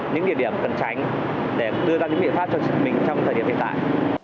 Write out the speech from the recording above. những địa điểm cần tránh để đưa ra những biện pháp cho mình trong thời điểm hiện tại